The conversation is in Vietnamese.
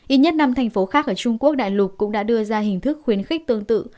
ít nhất năm thành phố khác ở trung quốc đại lục cũng đã đưa ra hình thức khuyến khích tương tự